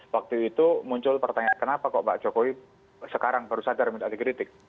waktu itu muncul pertanyaan kenapa kok pak jokowi sekarang baru sadar minta dikritik